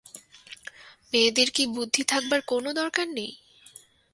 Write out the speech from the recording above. মেয়েদের কি বুদ্ধি থাকবার কোনো দরকার নেই?